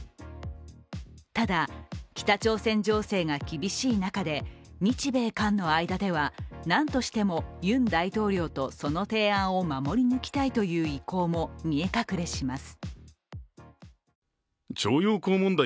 ただ、北朝鮮情勢が厳しい中で日米韓の間では何としてもユン大統領とその提案を守り抜きたいという意向も見え隠れします。